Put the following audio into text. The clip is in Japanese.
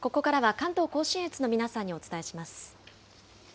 関東甲信越の皆さんにお伝えします。